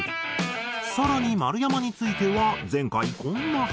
更に丸山については前回こんな話も。